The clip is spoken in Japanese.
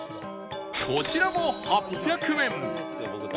こちらも８００円